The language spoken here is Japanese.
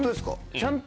ちゃんと。